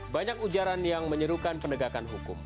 banyak ujaran yang menyerukan penegakan hukum